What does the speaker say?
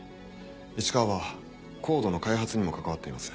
市川はＣＯＤＥの開発にも関わっています。